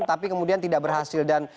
tapi kemudian tidak berhasil dan